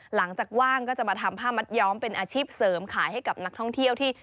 หลังจากว่างก็จะมาทำผ้ามัดย้อมเป็นอาชีพเสริมขายให้กับนักท่องเที่ยวที่